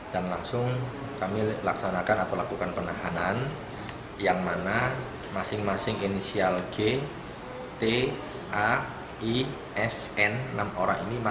dan langsung kami laksanakan atau lakukan penahanan yang mana masing masing inisial g t a i s n enam orang ini menanggung pelaku